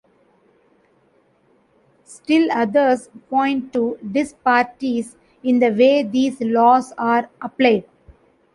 Still others point to disparities in the way these laws are applied.